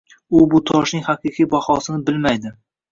U bu toshning haqiqiy bahosini bilmaydi